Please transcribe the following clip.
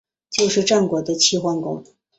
就是战国的齐桓公。